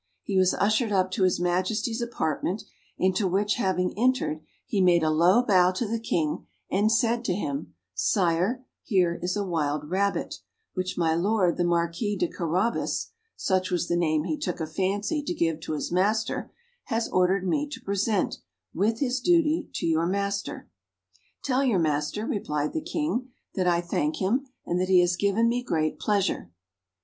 He was ushered up to his Majesty's apartment, into which having entered, he made a low bow to the King, and said to him, "Sire, here is a wild rabbit, which my Lord the Marquis de Carabas (such was the name he took a fancy to give to his master) has ordered me to present, with his duty, to your Majesty." "Tell your master," replied the King, "that I thank him, and that he has given me great pleasure."